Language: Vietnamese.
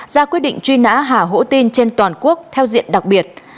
ra quyết định truy nã hà hỗ tin trên toàn quốc theo diện đặc biệt